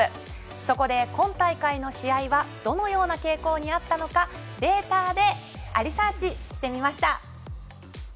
そこで今大会の試合はどのような傾向にあったのかデータでありサーチしてみました。